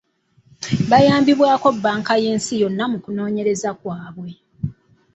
Bayambibwako bbanka y'ensi yonna mu kunoonyereza kwabwe.